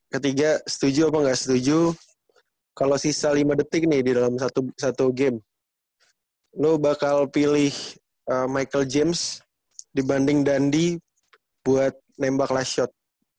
ketiga setuju apa nggak setuju kalau sisa lima detik nih di dalam satu game lo bakal pilih michael james dibanding dandi buat nembak lashot